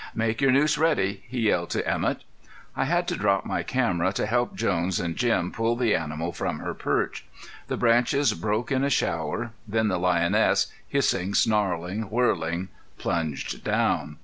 "Make your noose ready," he yelled to Emett. I had to drop my camera to help Jones and Jim pull the animal from her perch. The branches broke in a shower; then the lioness, hissing, snarling, whirling, plunged down.